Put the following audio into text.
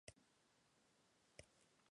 Son árboles con hojas simples, enteras.